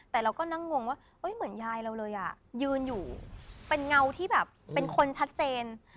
แต่เราก็นั่งงงว่าเหมือนยายเราเลยอ่ะยืนอยู่เป็นเงาที่แบบเป็นคนชัดเจน